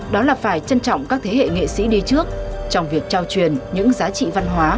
đó là phải trân trọng các thế hệ nghệ sĩ đi trước trong việc trao truyền những giá trị văn hóa